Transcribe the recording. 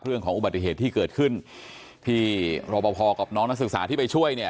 เรื่องของอุบัติเหตุที่เกิดขึ้นที่รอปภกับน้องนักศึกษาที่ไปช่วยเนี่ย